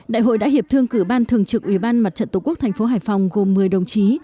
đại hội đã hiệp thương cử ban thường trực ủy ban mặt trận tổ quốc thành phố hải phòng gồm một mươi đồng chí